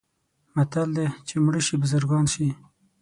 متل دی: چې مړه شي بزرګان شي.